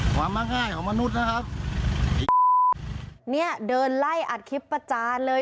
ความมากง่ายของมนุษย์นะครับเดินไล่อัดคลิปประจานเลย